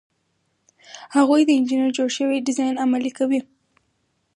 هغوی د انجینر جوړ شوی ډیزاین عملي کوي.